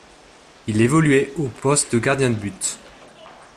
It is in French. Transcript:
Il évoluait au poste de gardien de but..